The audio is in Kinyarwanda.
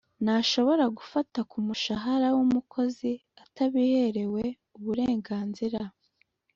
ntashobora gufata ku mushahara wumukozi atabiherewe uburenganzira